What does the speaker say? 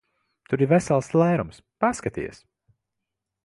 Tur ir vesels lērums. Paskaties!